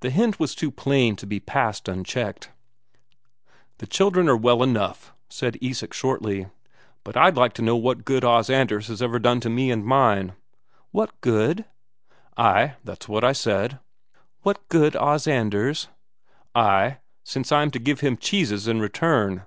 The hint was too plain to pass unchecked. "The children are well enough," said Isak shortly. "But I'd like to know what good Os Anders has ever done to me and mine." "What good?" "Ay, that's what I said." "What good Os Anders ...?" "Ay, since I'm to give him cheeses in return."